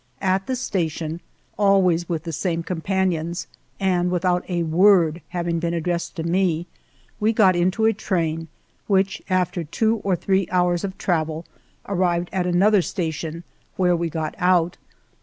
At the station, always with the same companions, and without a word having been addressed to me, we got into a train which, after two or three hours of travel, arrived at another station, where we got out.